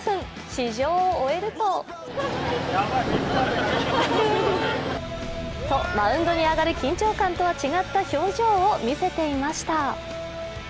試乗を終えるとと、マウンドに上がる緊張感とは違った表情を見せていました。